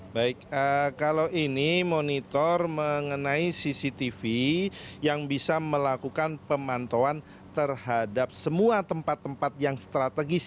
baik kalau ini monitor mengenai cctv yang bisa melakukan pemantauan terhadap semua tempat tempat yang strategis